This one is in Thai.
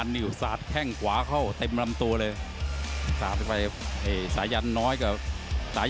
มีลูกขู่มาก่อนเลยนะ